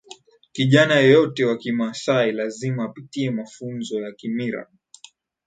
kijana yeyote wa kimaasai lazima apitie mafunzo ya kimira